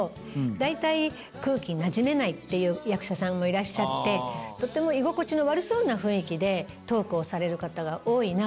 大体空気になじめないっていう役者さんもいらっしゃってとても居心地の悪そうな雰囲気でトークをされる方が多い中